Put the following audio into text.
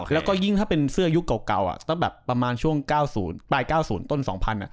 แล้วก็ยิ่งถ้าเป็นเสื้อยุคเก่าสักแบบประมาณช่วง๙๐ปลาย๙๐ต้น๒๐๐